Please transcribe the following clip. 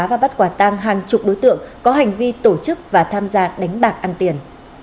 và bắt quả tang hàng chục đối tượng có hành vi tổ chức và tham gia đánh bạc ăn tiền